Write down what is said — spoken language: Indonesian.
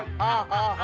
mulai deh mulai